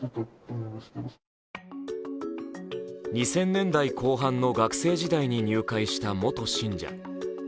２０００年代後半の学生時代に入会した元信者。